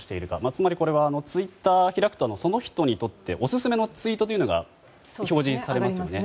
つまりこれはツイッターを開くとその人にとってオススメのツイートというのが表示されますよね。